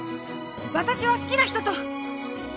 私は好きな人と。